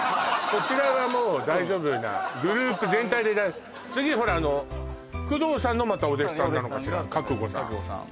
こちらはもう大丈夫なグループ全体で次ほらあのくどうさんのまたお弟子さんなのかしらお弟子さんがかく悟さん